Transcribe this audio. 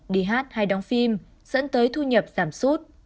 đi hát hay đóng phim dẫn tới thu nhập giảm sút